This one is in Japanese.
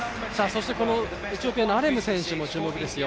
そしてエチオピアのアレム選手も注目ですよ。